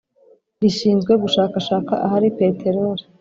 rishinzwe gushakashaka ahari Peteroli